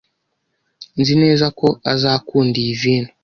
Nzi neza ko azakunda iyi vino.